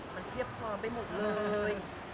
มันเพียบพร้อมไปหมดเลย